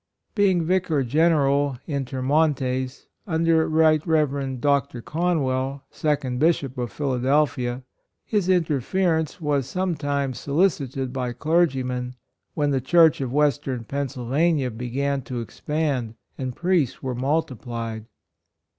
, Being Vicar General, inter monies, under Rt. Rev. Dr. Conwell, second VIRTUES. 97 Bishop of Philadelphia, his inter ference was sometimes solicited by clergymen, when the church of Western Pennsylvania began to ex pand and priests were multiplied.